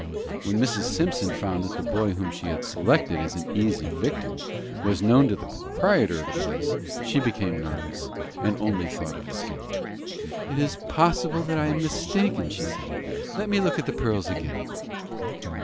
When Mrs. Simpson found that the boy whom she had selected as an easy victim was known to the proprietor of the place, she became nervous, and only thought of escape. "It is possible that I am mistaken," she said. "Let me look at the pearls again."